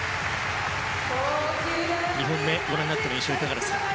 ２本目をご覧になっての印象はいかがですか？